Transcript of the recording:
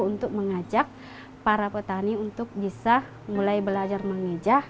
untuk mengajak para petani untuk bisa mulai belajar mengejah